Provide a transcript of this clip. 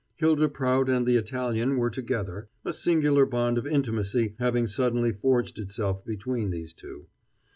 Hylda Prout and the Italian were together a singular bond of intimacy having suddenly forged itself between these two.